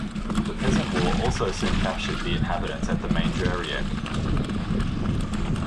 The peasant war also soon captured the inhabitants at the Maindreieck.